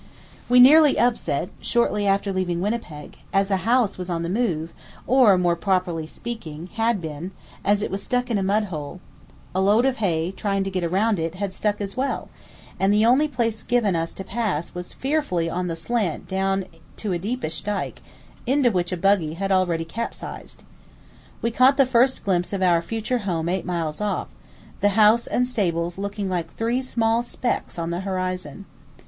We nearly upset, shortly after leaving Winnipeg, as a house was on the move, or, more properly speaking, had been, as it was stuck in a mud hole; a load of hay, trying to get round it, had stuck as well; and the only place given us to pass was fearfully on the slant down to a deepish dyke, into which a buggy had already capsized. We caught the first glimpse of our future home eight miles off, the house and stables looking like three small specks on the horizon.